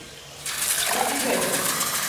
আমার ফ্রি টাইমে?